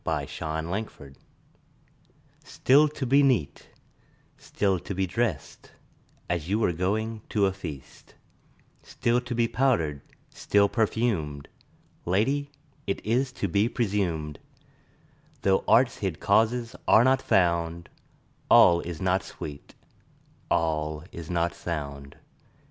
Simplex Munditiis STILL to be neat, still to be drest, As you were going to a feast; Still to be powder'd, still perfumed: Lady, it is to be presumed, Though art's hid causes are not found, 5 All is not sweet, all is not sound.